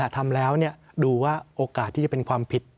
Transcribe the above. ทำแล้วดูว่าโอกาสที่จะเป็นความผิด